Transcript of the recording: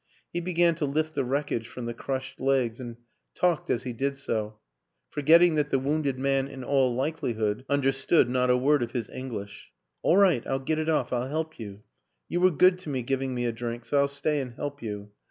He began to lift the wreckage from the crushed legs and talked as he did so, forgetting that the wounded man in all likelihood understood not a word of his English. 11 All right, I'll get it off; I'll help you. You were good to me giving me a drink, so I'll stay and help you.